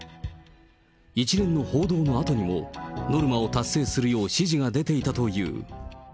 一連の報道のあとにも、ノルマを達成するよう指示が出ていたという。